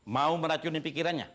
mau meracuni pikirannya